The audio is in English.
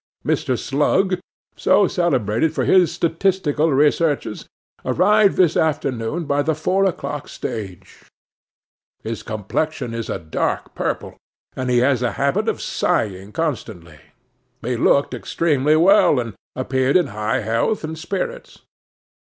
'Mr. Slug, so celebrated for his statistical researches, arrived this afternoon by the four o'clock stage. His complexion is a dark purple, and he has a habit of sighing constantly. He looked extremely well, and appeared in high health and spirits.